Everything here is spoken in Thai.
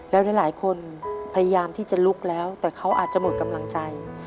แล้วหลายคนพยายามที่จะลุกแล้วแต่เขาอาจจะหมดกำลังใจ